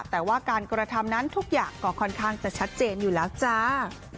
แต่ว่าการกระทำนั้นทุกอย่างก็ค่อนข้างจะชัดเจนอยู่แล้วจ้า